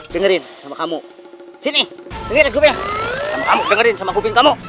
dengerin sama kamu sini dengerin sama kuping kamu